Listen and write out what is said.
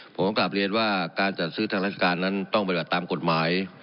ผมกลับเรียนว่าการจัดซื้อทางราชการนั้นต้องปฏิบัติตามกฎหมาย